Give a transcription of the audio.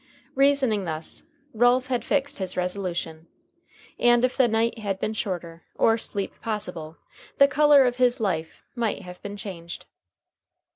Reasoning thus, Ralph had fixed his resolution, and if the night had been shorter, or sleep possible, the color of his life might have been changed.